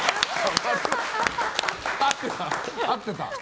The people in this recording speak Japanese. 〇、合ってた。